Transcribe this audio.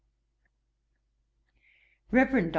'REVEREND DR.